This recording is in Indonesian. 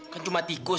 kan cuma tikus